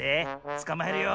つかまえるよ。